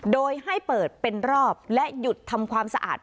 โดยให้เปิดเป็นรอบและหยุดทำความสะอาด